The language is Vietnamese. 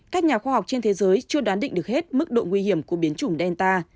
các nhà khoa học trên thế giới chưa đoán định được hết mức độ nguy hiểm của biến chủng delta